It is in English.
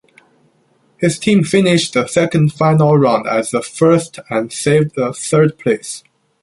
His team finished the second final-round as the first and saved the third place.